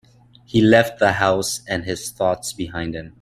He left the house and his thoughts behind him.